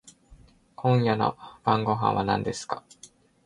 今夜の晩御飯は何ですか？